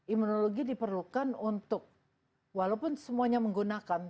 imunologi diperlukan untuk walaupun semuanya menggunakan